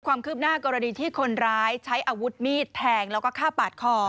ความคืบหน้ากรณีที่คนร้ายใช้อาวุธมีดแทงแล้วก็ฆ่าปาดคอ